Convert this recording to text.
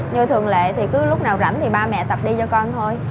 như thường lệ thì cứ lúc nào rảnh thì ba mẹ tập đi cho con thôi